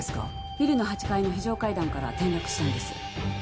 ビルの８階の非常階段から転落したんです。